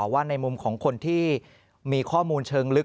ว่าในมุมของคนที่มีข้อมูลเชิงลึก